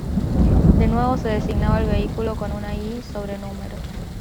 De nuevo se designaba al vehículo con una Y sobre número.